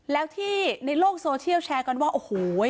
แล้วที่ในโลกโซเชียลแชร์กันว่าโอ้โห